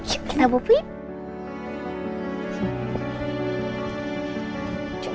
yuk kita bubuk